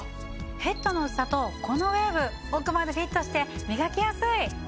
ヘッドの薄さとこのウェーブ奥までフィットして磨きやすい！